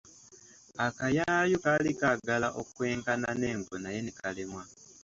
Akayaayu kaali kaagala okwenkana n’engo naye ne kalemwa.